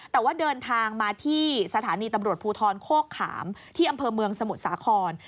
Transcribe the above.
แต่ว่าเดินทางมาที่สถานีตำรวจภูทรโคกขามที่อำเภอเมืองสมุทรสาคร